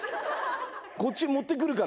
こっち持ってくるから。